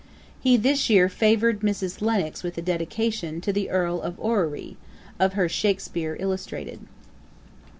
He this year favoured Mrs. Lennox with a Dedication[*] to the Earl of Orrery, of her Shakspeare Illustrated.